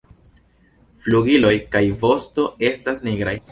Flugiloj kaj vosto estas nigraj.